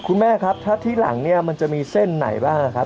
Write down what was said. คุณแม่ครับถ้าที่หลังเนี่ยมันจะมีเส้นไหนบ้างครับ